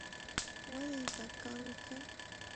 ولې یې دا کار وکه؟